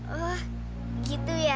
wah gitu ya